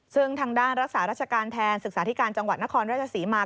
ซึ่งทางด้านรักษาราชการแทนศึกษาธิการจังหวัดนครราชศรีมา